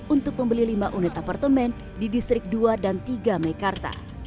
untuk membeli lima unit apartemen di distrik dua dan tiga meikarta